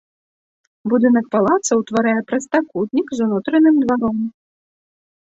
Будынак палаца ўтварае прастакутнік з унутраным дваром.